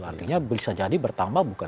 artinya bisa jadi bertambah bukan